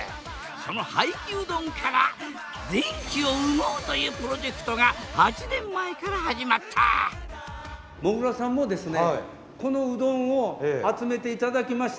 その廃棄うどんから電気を生もうというプロジェクトが８年前から始まった僕もできるんですか？